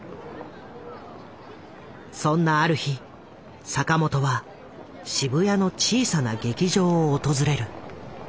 そんなある日坂本は渋谷の小さな劇場を訪れる。